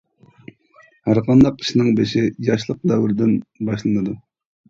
ھەرقانداق ئىشنىڭ بېشى ياشلىق دەۋرىدىن باشلىنىدۇ.